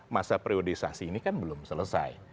masa priorisasi ini kan belum selesai